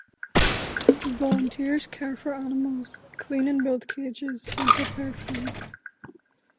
Volunteers care for animals, clean and build cages and prepare food.